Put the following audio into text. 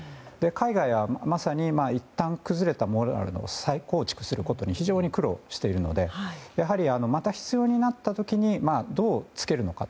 海外はまさにいったん崩れたモラルを再構築することに非常に苦労しているのでまた必要になった時にどう着けるのか。